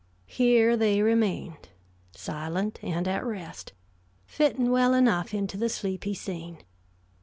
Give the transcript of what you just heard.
Here they remained, silent and at rest, fitting well enough into the sleepy scene.